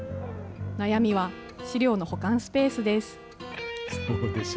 悩みは資料の保管スペースです。